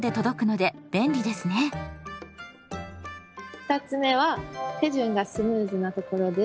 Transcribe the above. ２つ目は手順がスムーズなところです。